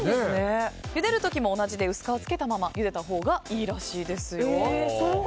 ゆでる時も同じで薄皮をつけたままゆでたほうがいいらしいですよ。